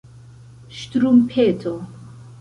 ŝtrumpeto